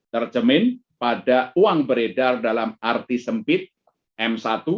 tercemin pada uang beredar dalam arti sempit m satu